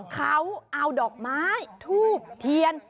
เขาเอาดอกไม้ทูบเทียน